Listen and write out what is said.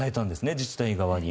自治体側に。